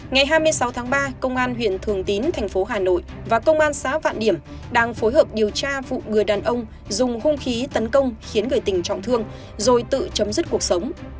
ngày hai mươi sáu tháng ba công an huyện thường tín thành phố hà nội và công an xã vạn điểm đang phối hợp điều tra vụ người đàn ông dùng hung khí tấn công khiến người tình trọng thương rồi tự chấm dứt cuộc sống